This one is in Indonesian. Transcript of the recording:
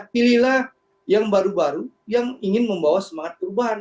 pilihlah yang baru baru yang ingin membawa semangat perubahan